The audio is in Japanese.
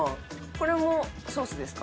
これもソースですか？